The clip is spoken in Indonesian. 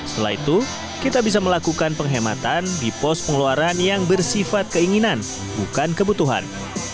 setelah itu kita bisa melakukan penghematan di pos pengeluaran yang bersifat keinginan bukan kebutuhan